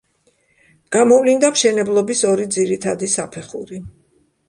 გამოვლინდა მშენებლობის ორი ძირითადი საფეხური.